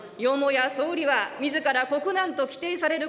よもや総理はみずから国難と規定される